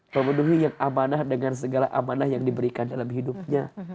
memenuhi yang amanah dengan segala amanah yang diberikan dalam hidupnya